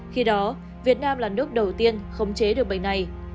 khi đó việt nam là nước đầu tiên khống chế được bệnh này